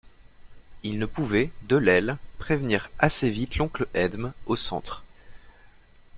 Il ne pouvait, de l'aile, prévenir assez vite l'oncle Edme, au centre.